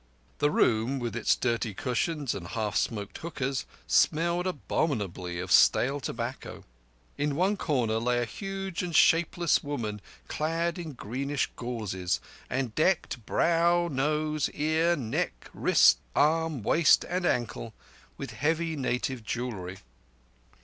The room, with its dirty cushions and half smoked hookahs, smelt abominably of stale tobacco. In one corner lay a huge and shapeless woman clad in greenish gauzes, and decked, brow, nose, ear, neck, wrist, arm, waist, and ankle with heavy native jewellery.